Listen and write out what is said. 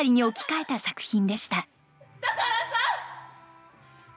だからさ！